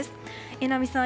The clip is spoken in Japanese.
榎並さん